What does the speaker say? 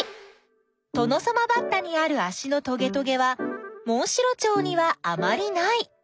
トノサマバッタにあるあしのトゲトゲはモンシロチョウにはあまりない。